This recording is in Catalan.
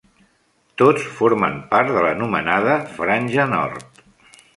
Tots formen part de l'anomenada "franja nord".